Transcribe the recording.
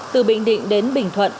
từ bịnh định đến bình thoáng